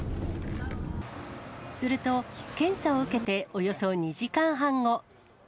すると検査を受けておよそ２時間半後。